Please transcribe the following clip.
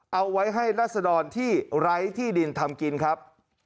เอาไว้ให้รัศดรที่ไร้ที่ดินทำกินครับ